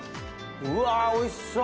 うわおいしそう！